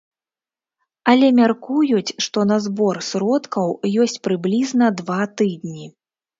Але мяркуюць, што на збор сродкаў ёсць прыблізна два тыдні.